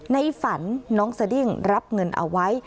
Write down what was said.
ในฝันน้องสดิ้งรับเงินเอาไว้